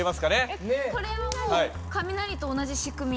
えっこれはもう雷と同じ仕組み？